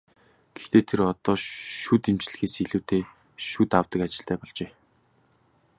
Гэхдээ тэр одоо шүд эмчлэхээс илүүтэй шүд авдаг ажилтай болжээ.